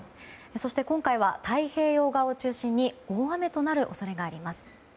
そして今回は太平洋側を中心に大雨となる恐れがあります。